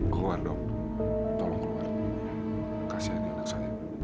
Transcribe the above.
keluar dok tolong keluar kasih aja anak saya